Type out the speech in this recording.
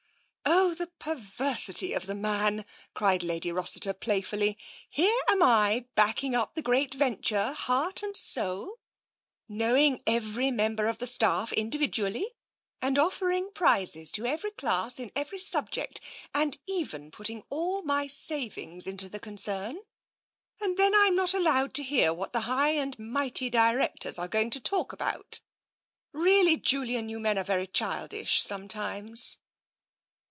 " Oh, the perversity of man !'' cried Lady Rossiter playfully. " Here am I backing up the great venture heart and soul, knowing every member of the staff individually and offering prizes to every class in every subject, and even putting all my savings into the con cern — and then Tm not allowed to hear what the Wgh and mighty directors are going to talk about! Really, Julian, you men are very childish sometimes."